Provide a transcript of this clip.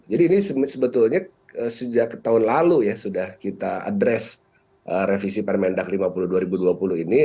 jadi ini sebetulnya sejak tahun lalu ya sudah kita address revisi permendag lima puluh dua ribu dua puluh ini